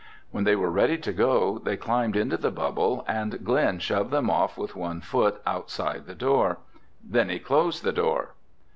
When they were ready to go, they climbed into the bubble and Glen shoved them off with one foot outside the door. Then he closed the door.